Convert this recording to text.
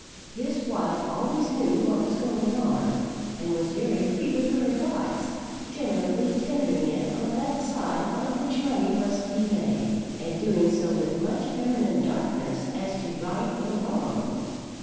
His wife always knew what was going on, and was very free with her advice; generally tendering it on that side on which money was to be made, and doing so with much feminine darkness as to right or wrong.